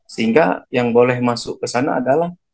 sehingga yang boleh masuk ke sana adalah